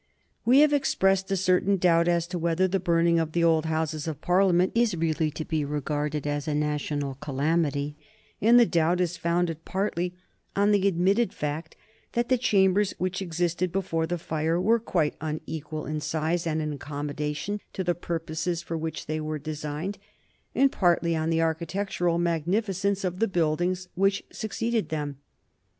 We have expressed a certain doubt as to whether the burning of the old Houses of Parliament is really to be regarded as a national calamity, and the doubt is founded partly on the admitted fact that the chambers which existed before the fire were quite unequal in size and in accommodation to the purposes for which they were designed, and partly on the architectural magnificence of the buildings which succeeded them.